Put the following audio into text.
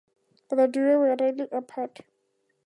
The duo were rarely apart.